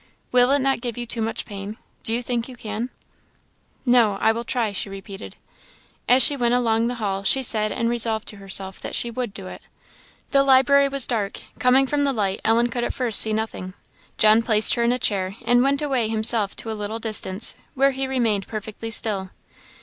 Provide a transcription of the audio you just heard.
"Will it not give you too much pain? do you think you can?" "No I will try," she repeated. As she went along the hall she said and resolved to herself that she would do it. The library was dark; coming from the light, Ellen at first could see nothing. John placed her in a chair and went away himself to a little distance, where he remained perfectly still.